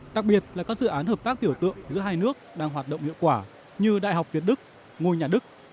đặc biệt là các dự án hợp tác tiểu tượng giữa hai nước đang hoạt động hiệu quả như đại học việt đức ngôi nhà đức